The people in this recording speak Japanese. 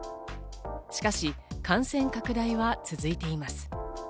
しかし感染拡大は続いています。